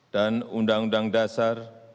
dan undang undang dasar